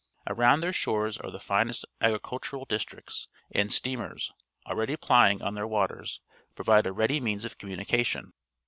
Around their shores are the finest agricul tural districts, and steamers, already ply ing on their waters, pro\'ide a ready means of communication.